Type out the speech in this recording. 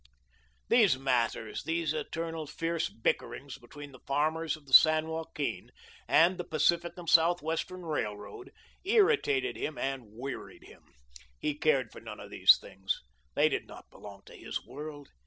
These matters, these eternal fierce bickerings between the farmers of the San Joaquin and the Pacific and Southwestern Railroad irritated him and wearied him. He cared for none of these things. They did not belong to his world.